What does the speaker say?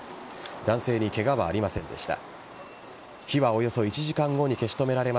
男性にケガはありませんでした。